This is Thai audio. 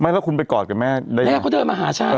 แล้วคุณไปกอดกับแม่ได้ยังไงแม่เขาเดินมาหาฉัน